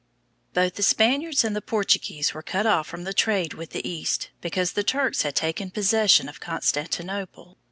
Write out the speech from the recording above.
Both the Spaniards and the Portuguese were cut off from trade with the East, because the Turks had taken possession of Constantinople.